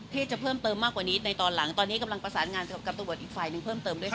จะเพิ่มเติมมากกว่านี้ในตอนหลังตอนนี้กำลังประสานงานกับการตรวจอีกฝ่ายหนึ่งเพิ่มเติมด้วยค่ะ